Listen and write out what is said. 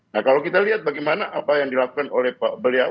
nah kalau kita lihat bagaimana apa yang dilakukan oleh beliau